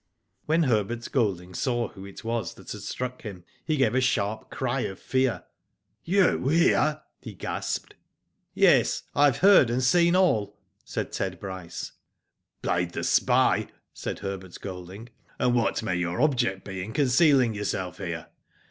When Herbert Golding saw who it was that had struck him, he gave a sharp cry of fear. *' You here ?" he gasped. *'Yes, I have heard and seen all," said Ted Bryce. "Played the spy," said Herbert Golding. And what may your object be in concealing yourself here?"